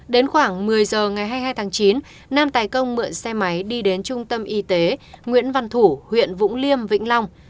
đến khoảng một mươi giờ ngày hai mươi hai tháng chín nam tài công mượn xe máy đi đến trung tâm y tế nguyễn văn thủ huyện vũng liêm vĩnh long